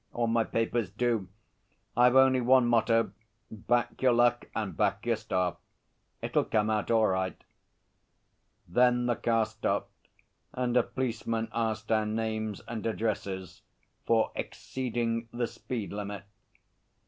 All my papers do. I've only one motto: Back your luck and back your staff. It'll come out all right.' Then the car stopped, and a policeman asked our names and addresses for exceeding the speed limit.